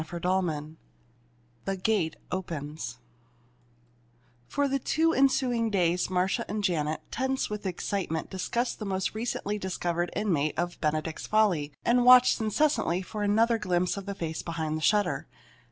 CHAPTER III THE GATE OPENS For the two ensuing days, Marcia and Janet, tense with excitement, discussed the most recently discovered inmate of "Benedict's Folly," and watched incessantly for another glimpse of the face behind the shutter.